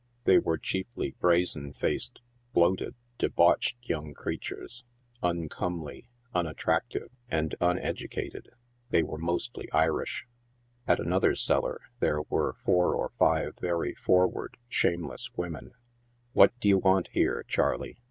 They are chiefly brazen faced, bloated, debauched young creatures, uncomely, unattractive and uneducated. They are mostly Irish. At another cellar there were four or five very forward, shameless women. " What d'ye want here, Charley ?''